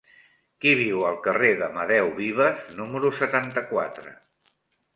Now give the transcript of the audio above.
Qui viu al carrer d'Amadeu Vives número setanta-quatre?